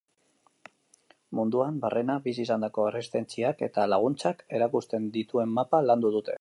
Munduan barrena bizi izandako erresistentziak eta laguntzak erakusten dituen mapa landu dute.